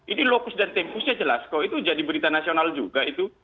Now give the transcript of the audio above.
ini lokus dan tempusnya jelas kok itu jadi berita nasional juga itu